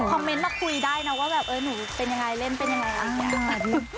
คอมเมนต์มาคุยกันว่าหนูเป็นยังไงเล่นเป็นยังไง